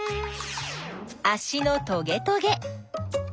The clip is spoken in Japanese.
あしのトゲトゲ。